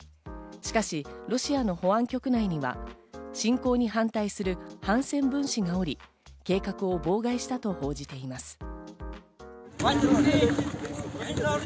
しかしロシアの保安局内には侵攻に反対する反戦分子がおり、計画を妨害したと報じています。